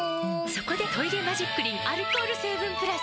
そこで「トイレマジックリン」アルコール成分プラス！